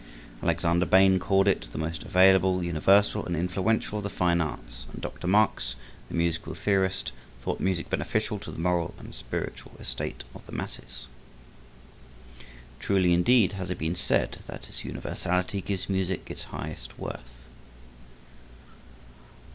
Alexander Bain called it the most available, universal and influential of the fine arts, and Dr. Marx, the musical theorist, thought music beneficial to the moral and spiritual estate of the masses. Truly indeed has it been said that its universality gives music its high worth.